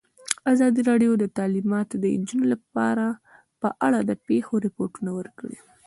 ازادي راډیو د تعلیمات د نجونو لپاره په اړه د پېښو رپوټونه ورکړي.